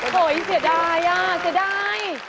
โหยเสียดายอ่ะเสียดาย